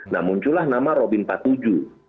nah muncullah nama robin patuju